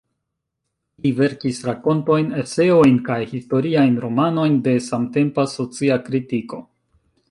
Li verkis rakontojn, eseojn kaj historiajn romanojn de samtempa socia kritiko.